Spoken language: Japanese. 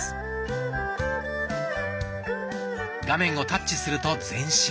画面をタッチすると前進。